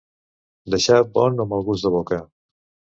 Deixar bon o mal gust de boca.